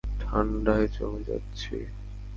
ঠাণ্ডায় জমে যাচ্ছি।